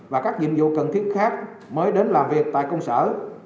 và các nhiệm vụ cần thiết khác mới đến làm việc tại công sở